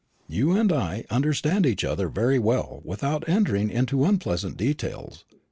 "You and I understand each other very well without entering into unpleasant details.